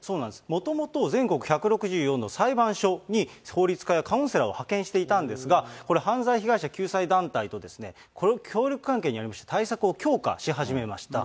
もともと、全国１６４の裁判所に、法律家やカウンセラーを派遣していたんですが、これ、犯罪被害者救済団体とこれを協力関係にありまして対策を強化し始めました。